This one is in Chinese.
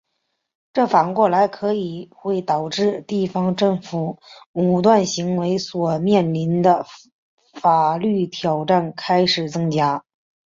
这反过来可能会导致地方政府武断行为所面临的法律挑战开始增加。